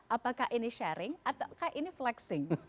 apakah ini sharing atau ini flexing